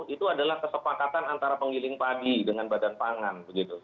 itu adalah kesepakatan antara penghiling pagi dengan badan pangan